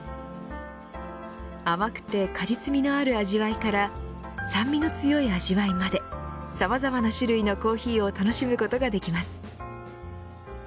甘くて果実味のある味わいから酸味の強い味わいまでさまざまな種類のコーヒーを楽しむことができます。